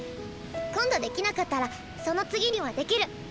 今度できなかったらその次にはできる！